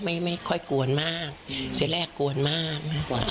ไม่ค่อยกวนมากเสียแรกกวนมาก